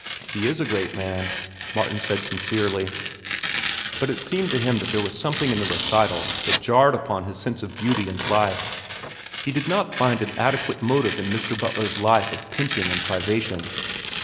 "He is a great man," Martin said sincerely. But it seemed to him there was something in the recital that jarred upon his sense of beauty and life. He could not find an adequate motive in Mr. Butler's life of pinching and privation.